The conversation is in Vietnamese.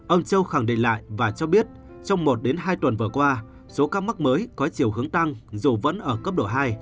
ông châu khẳng định lại và cho biết trong một đến hai tuần vừa qua số ca mắc mới có chiều hướng tăng dù vẫn ở cấp độ hai